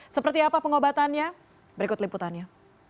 seperti apa pengobatannya berikut liputannya